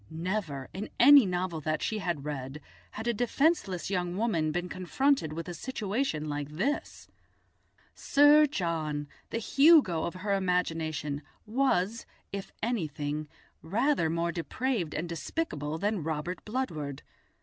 Never, in any novel that she had read, had a defenceless young woman been confronted with a situation like this. Sir John, the Hugo of her imagination, was, if anything, rather more depraved and despicable than Robert Bludward.